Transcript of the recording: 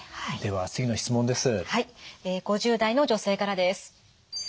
はい５０代の女性からです。